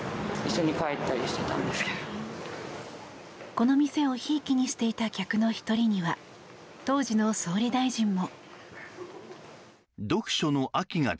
この店をひいきにしていた客の１人には当時の総理大臣も。